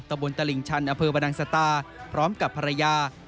ตะบนตะลิงชันอบนังสตาพร้อมกับภรรยา